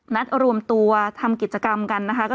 นัดรวมตัวทำกิจกรรมกันนะคะ